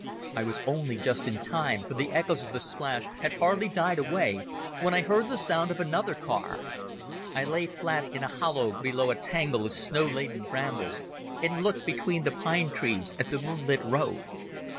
I was only just in time, for the echoes of the splash had hardly died away when I heard the sound of another car. I lay flat in a hollow below a tangle of snow laden brambles and looked between the pine trees at the moonlit road.